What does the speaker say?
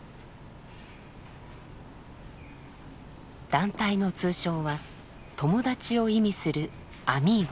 団体の通称は「友達」を意味する「ＡＭＩＧＯＳ」。